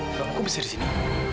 kalau aku bisa di sini